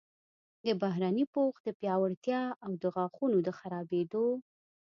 د بهرني پوښ د پیاوړتیا او د غاښونو د خرابیدو